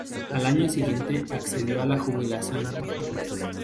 Al año siguiente accedió a la jubilación.